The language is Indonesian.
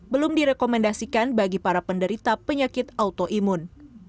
belum direkomendasikan bagi para penderita penyakit autoimun